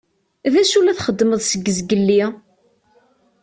D acu i la txeddmeḍ seg zgelli?